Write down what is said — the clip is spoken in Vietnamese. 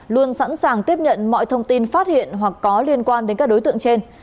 luôn sẵn sàng tiếp nhận mọi thông tin phát hiện hoặc có liên quan đến các đối tượng trên